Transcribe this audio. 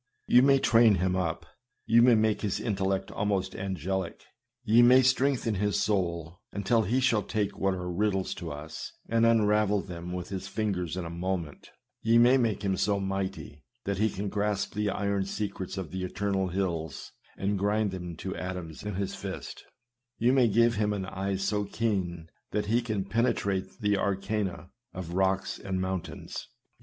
Ye may train him up, ye may make his intellect almost angelic, ye may strengthen his soul until he shall take what are riddles to us, and unravel them with his fingers in a moment ; ye may make him so mighty, that he can grasp the iron secrets of the eternal hills and grind them to atoms in his fist ; ye may give him an eye so keen, that he can penetrate the arcana of rocks and mountains ; ye 240 SERMONS.